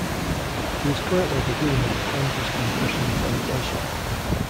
He is currently the dean of the Kansas congressional delegation.